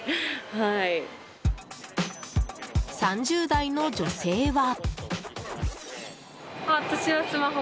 ３０代の女性は。